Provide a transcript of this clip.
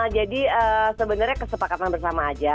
jadi sebenarnya kesepakatan bersama aja